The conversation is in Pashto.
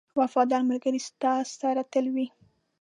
• وفادار ملګری ستا سره تل وي.